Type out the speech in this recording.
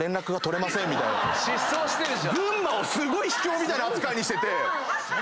群馬をすごい秘境みたいな扱いにしてて。